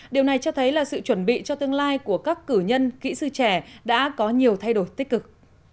điều này cho thấy là sự chuẩn bị cho tương lai của các cử nhân kỹ sư trẻ đã có nhiều thay đổi tích cực